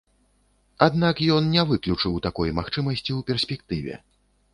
Аднак ён не выключыў такой магчымасці ў перспектыве.